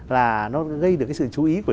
là nó gây được cái sự chú ý của